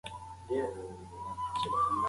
زه به ستا نمبر هیڅکله ورک نه کړم.